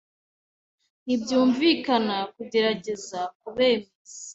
Ntibyumvikana kugerageza kubemeza.